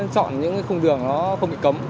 chọn những khung đường nó không bị cấm